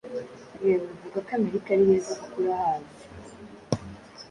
Yewe vuga ko Amerika ari heza kuko urahazi.